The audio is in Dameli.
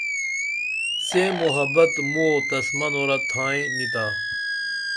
سے محبت موں او تس منورہ تھائیں نی تا